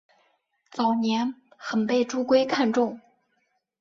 早年很被朱圭看重。